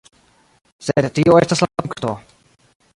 Sed tio estas la punkto.